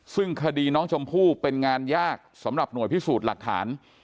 ซึ่งคดีน้องชมพู่เป็นงานยากสำหรับหน่วยพิสูจน์หลักฐาน